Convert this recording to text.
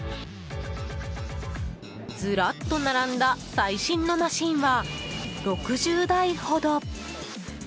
ずらっと並んだ最新のマシンは６０台ほど。